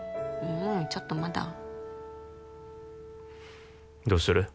ううんちょっとまだどうする？